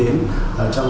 cái yếu tố về tác động